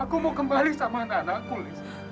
aku mau kembali sama anak anakku lis